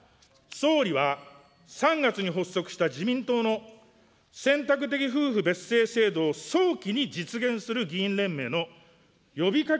総理は、３月に発足した自民党の選択的夫婦別姓制度を早期に実現する議員連盟の呼びかけ